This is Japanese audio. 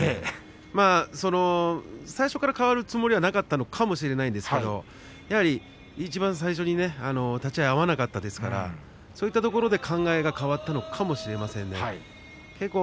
最初から変えるつもりはなかったのかもしれないですがやはり、いちばん最初に立ち合い合わなかったですからそういったところで考えが変わったのかもしれませんね。